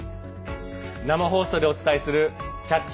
生放送でお伝えする「キャッチ！